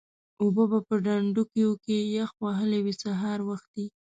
اوبه به په ډنډوکیو کې یخ وهلې وې سهار وختي.